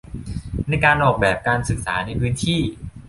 ในการออกแบบการศึกษาในพื้นที่